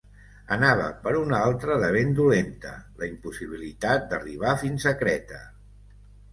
Anava per una altra de ben dolenta, la impossibilitat d'arribar fins a Creta.